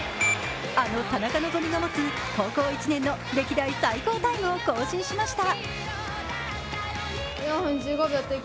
あの田中希実が持つ高校１年の歴代最高タイムを更新しました。